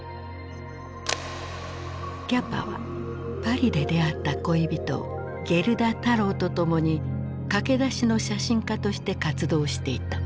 キャパはパリで出会った恋人ゲルダ・タローと共に駆け出しの写真家として活動していた。